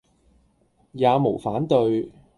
也無反對，